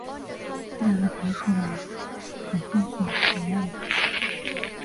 这两个级数的敛散性是一样的。